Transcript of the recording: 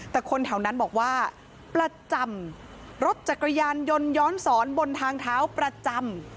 แต่คนแถวนั้นบอกว่าประจำรถจักรยานยนต์ย้อนสอนบนทางเท้าประจำ